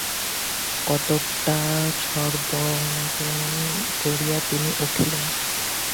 কতকটা সংবরণ করিয়া তিনি উঠিলেন।